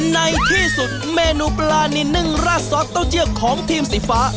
ในที่สุดเมนูปลานินึ่งราดซอสเต้าเจือกของทีมสีฟ้า